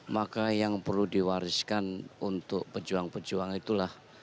maka yang perlu diwariskan untuk pejuang pejuang itulah